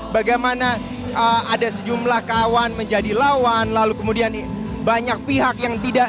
bagaimana ada sejumlah kawan menjadi lawan lalu kemudian banyak pihak yang tidak